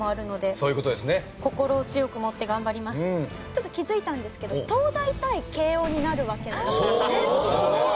ちょっと気づいたんですけど東大対慶應になるわけなんですよね。